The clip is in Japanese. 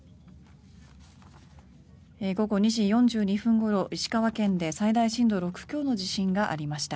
午後２時４２分ごろ石川県で最大震度６強の地震がありました。